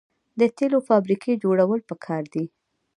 د تیلو فابریکې جوړول پکار دي.